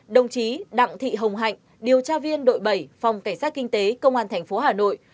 đồng chí đặng thị hồng hạnh điều tra viên đội bảy phòng cảnh sát kinh tế công an tp hà nội